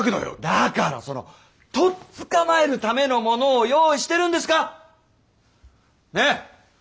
だからそのとっ捕まえるためのものを用意してるんですか！ね？